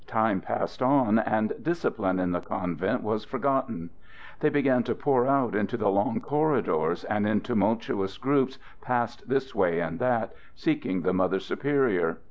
Time passed on and discipline in the convent was forgotten. They began to pour out into the long corridors, and in tumultuous groups passed this way and that, seeking the Mother Superior.